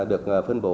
được phân bổ